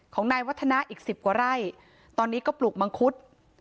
ของนายวัฒนาอีกสิบกว่าไร่ตอนนี้ก็ปลูกมังคุด